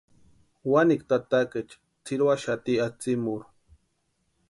Wanikwa tatakaecha tsʼïruaxati atsïmurhu.